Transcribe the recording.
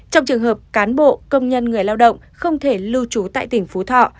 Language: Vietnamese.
trong trường hợp cán bộ công nhân người lao động không thể lưu trú tại tỉnh phú thọ